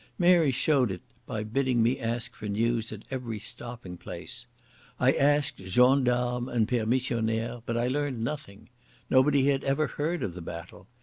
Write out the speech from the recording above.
Mary showed it by bidding me ask for news at every stopping place. I asked gendarmes and permissionnaires, but I learned nothing. Nobody had ever heard of the battle.